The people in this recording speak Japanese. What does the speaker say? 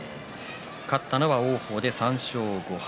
勝ったのは王鵬で３勝５敗。